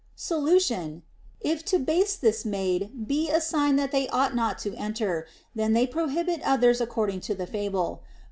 Solution. If to baste this maid be a sign that they ought not to enter, then they prohibit others according to the fable.